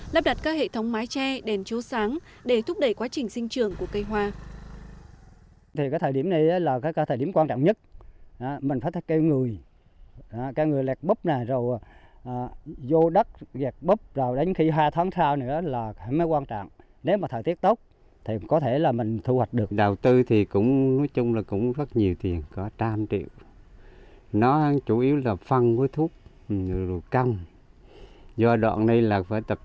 lắp đặt các hệ thống mái che đèn châu sáng để thúc đẩy quá trình sinh trường của cây hoa